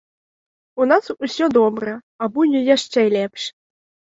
У нас усё добра, а будзе яшчэ лепш!